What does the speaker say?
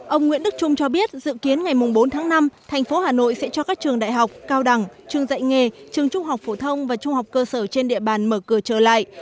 ông nguyễn đức trung cho biết dự kiến ngày bốn tháng năm thành phố hà nội sẽ cho các trường đại học cao đẳng trường dạy nghề trường trung học phổ thông và trung học cơ sở trên địa bàn mở cửa trở lại